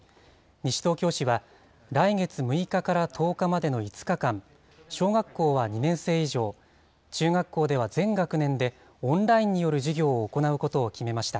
西東京市は来月６日から１０日までの５日間、小学校は２年生以上、中学校では全学年で、オンラインによる授業を行うことを決めました。